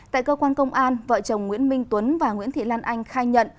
tại cơ quan công an vợ chồng nguyễn minh tuấn và nguyễn thị lan anh khai nhận